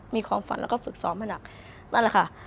มีความฝันแล้วก็ฝึกซ้อมให้หนักนั่นแหละค่ะ